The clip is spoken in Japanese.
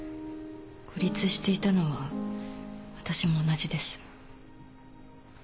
孤立していたのは私も同じです。